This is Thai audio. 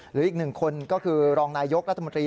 หรืออีกหนึ่งคนก็คือรองนายยกรัฐมนตรี